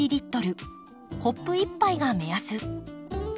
コップ１杯が目安。